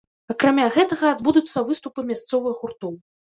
Акрамя гэтага адбудуцца выступы мясцовых гуртоў.